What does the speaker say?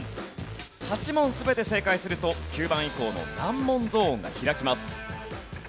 ８問全て正解すると９番以降の難問ゾーンが開きます。